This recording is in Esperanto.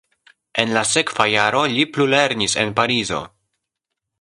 En la sekva jaro li plulernis en Parizo.